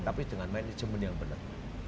tapi dengan manajemen yang benar